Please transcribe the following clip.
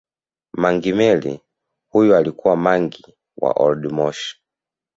Mangi Meli huyu alikuwa mangi wa waoldmoshi